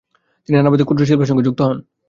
তিনি নানাবিধ ক্ষুদ্র শিল্পের সঙ্গে যুক্ত হন।